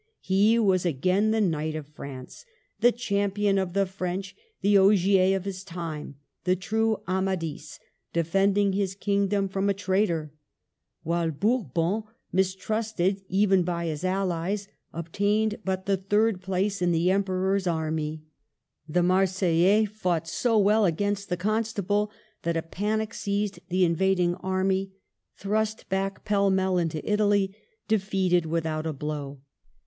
He was again the Knight of France, the champion of the French, the Ogier of his time, the true Amadis defending his kingdom from a traitor; while Bourbon, mistrusted even by his allies, obtained but the third place in the Em peror's army. The Marseillais fought so well against the Constable that a panic seized the invading army, thrust back pell mell into Italy, defeated without a blow.